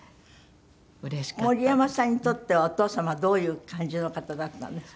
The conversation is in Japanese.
森山さんにとってはお父様はどういう感じの方だったんですか？